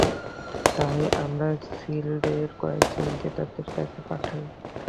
তাই আমরা সিলদের কয়েকজনকে তাদের কাছে পাঠাই।